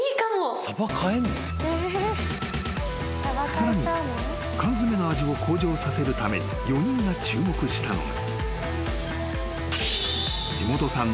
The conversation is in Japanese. ［さらに缶詰の味を向上させるために４人が注目したのが］